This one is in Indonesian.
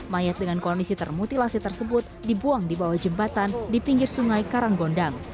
mayat dengan kondisi termutilasi tersebut dibuang di bawah jembatan di pinggir sungai karanggondang